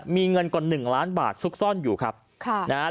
มีเงินกว่าหนึ่งล้านบาทซุกซ่อนอยู่ครับค่ะนะฮะ